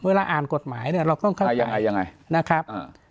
เวลาอ่านกฎหมายเนี่ยเราต้องเข้าใจนะครับ